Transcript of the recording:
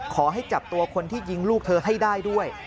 ขอให้จับตัวคนที่ยิงลูกเธอให้ได้ด้วย